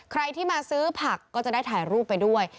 ใครที่มาซื้อผักก็จะได้ถ่ายรูปไปด้วย